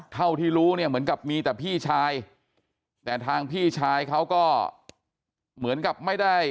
เท่าที่รู้เนี่ยเหมือนกับมีแต่พี่ชายแต่ทางพี่ชายเขาก็เหมือนกับไม่ได้